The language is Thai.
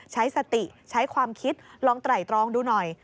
ใช้สติใช้ความคิดลองไตรตรองดูหน่อย